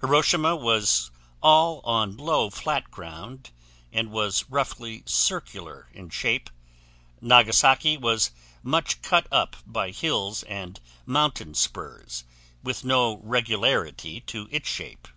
Hiroshima was all on low, flat ground, and was roughly circular in shape; Nagasaki was much cut up by hills and mountain spurs, with no regularity to its shape.